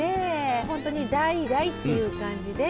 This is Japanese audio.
ホントに代々っていう感じで。